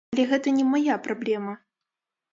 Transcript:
Але гэта не мая праблема.